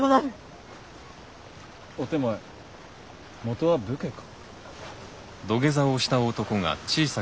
お手前元は武家か？